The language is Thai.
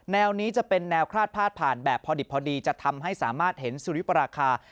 แนวนี้จะเป็นแนวคลาดพาดผ่านแบบพอดิบพอดีจะทำให้สามารถเห็นสุริปราคา